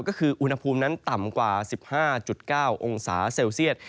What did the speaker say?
ก็คืออุณหภูมินั้นต่ำกว่า๑๕๙องศาเซลเซียต